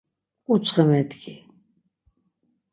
Ǩuçxe medgi.